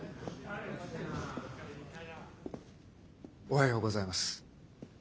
おはようございます。